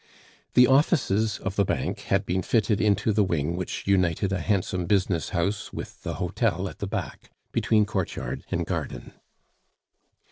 The offices of the bank had been fitted into the wing which united a handsome business house with the hotel at the back, between courtyard and garden.